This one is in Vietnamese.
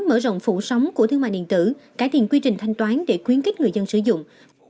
mở rộng phủ sóng của thương mại điện tử cải thiện quy trình thanh toán để khuyến kích người dân sử dụng